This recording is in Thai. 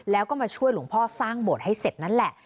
แล้วก็มาช่วยหลวงพ่อสร้างโบสถ์ให้เสร็จนั่นแหละ